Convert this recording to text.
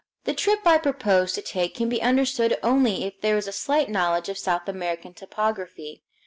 The trip I proposed to take can be understood only if there is a slight knowledge of South American topography.